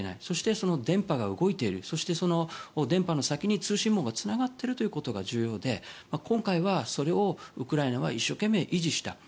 そして電波が動いているそして、電波の先に通信網がつながっていることが重要で今回はそれをウクライナは一生懸命、維持した。